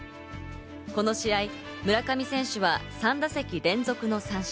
この試合、村上選手は３打席連続の三振。